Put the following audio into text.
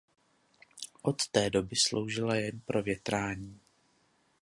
Od té doby sloužila jen pro větrání.